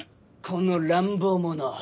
この乱暴者！